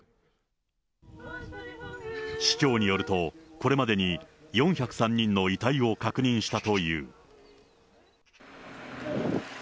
市長によると、これまでに４０３人の遺体を確認したという。